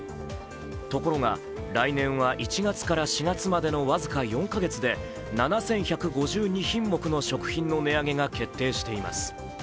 ところが、来年は１月から４月までの僅か４か月で７１５２品目の食品の値上げが決定しています。